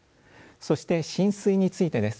そして浸水についてです。